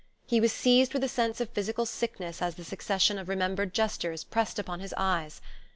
He was seized with a sense of physical sickness as the succession of remembered gestures pressed upon his eyes....